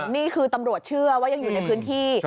นี่คือตำรวจเชื่อว่ายังอยู่ในพื้นที่